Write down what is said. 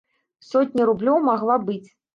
Сотня рублёў магла быць.